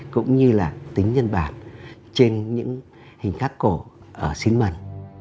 cũng như là tính nhân bản trên những hình khắc cổ ở xín mần